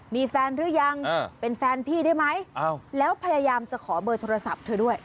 มีแฟนหรือยังเป็นแฟนพี่ได้ไหมแล้วพยายามจะขอเบอร์โทรศัพท์เธอด้วย